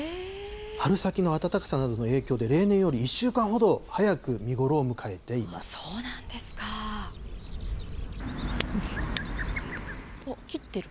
春先の暖かさなどの影響で、例年より１週間ほど早く見頃を迎えて切ってる。